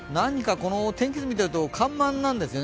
この天気図を見ていると緩慢なんですよね。